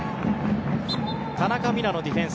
田中美南のディフェンス。